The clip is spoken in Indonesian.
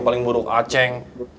paling buruk acing